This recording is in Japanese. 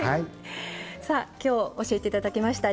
さあ今日教えて頂きました